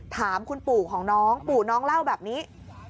ถามคุณปู่ของน้องปู่น้องเล่าแบบนี้